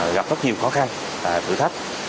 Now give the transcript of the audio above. gặp rất nhiều khó khăn và thử thách